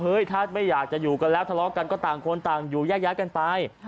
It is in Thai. ถ้าไม่อยากจะอยู่กันแล้วทะเลาะกันก็ต่างคนต่างอยู่แยกย้ายกันไป